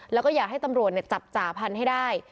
แล้วก็อยากให้ตำรวจเนี่ยจับจาพันให้ได้